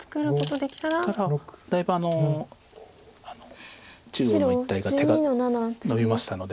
できたらだいぶん中央の一帯が手がのびましたので。